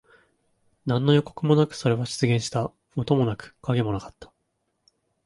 何の予告もなく、それは出現した。音もなく、影もなかった。